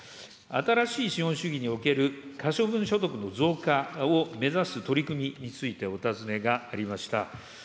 新しい資本主義における可処分所得の増加を目指す取り組みについて、お尋ねがありました。